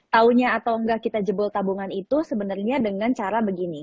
tahunya atau enggak kita jebol tabungan itu sebenarnya dengan cara begini